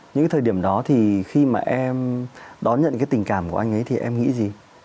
những cái thời điểm đó thì khi mà em đón nhận cái tình cảm của anh ấy thì em nghĩ gì